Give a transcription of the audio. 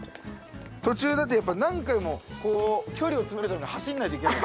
途中だってやっぱ何回もこう距離を詰めるために走らないといけない。